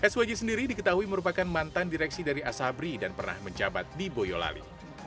swj sendiri diketahui merupakan mantan direksi dari asabri dan pernah menjabat di boyolali